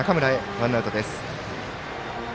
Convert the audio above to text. ワンアウトです。